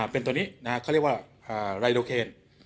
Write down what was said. เป็นตัวนี้เขาเรียกว่าไรโลเคน